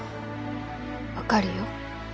分かるよ。